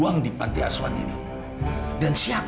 kayaknya kayaknya kalau kita luar biasa